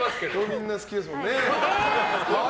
みんな好きですもんね。